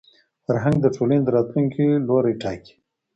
فرهنګ د ټولني د راتلونکي لوری ټاکي.